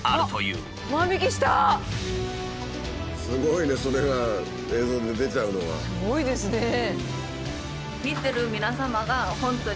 すごいですね。